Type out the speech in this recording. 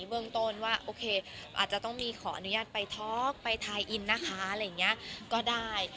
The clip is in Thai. เบื้องต้นว่าโอเคอาจจะต้องมีขออนุญาตไปท็อกไปทายอินนะคะอะไรอย่างนี้ก็ได้